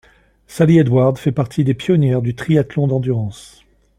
Sally Edwards fait partie des pionnières du triathlon d'endurance.